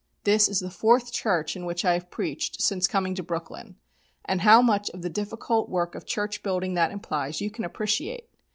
This is the fourth church in which I have preached since coming to Brooklyn, and how much of the difficult work of church building that implies you can appreciate.